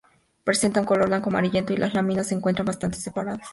Presenta un color blanco amarillento y las láminas se encuentran bastante separadas.